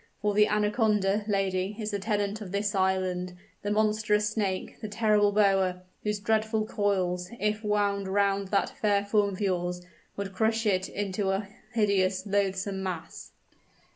For the anaconda, lady, is the tenant of this island the monstrous snake the terrible boa, whose dreadful coils, if wound round that fair form of yours, would crush it into a hideous, loathsome mass?"